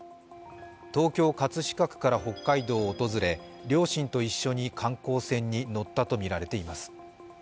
東京・葛飾区から北海道を訪れ、両親と一緒に観光船に乗ったとみられています。